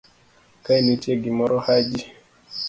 kae nitie gimoro Haji